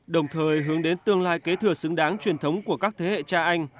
đồng thời hướng đến tương lai kế thừa xứng đáng truyền thống của các thế hệ cha anh